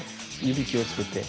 指気をつけて。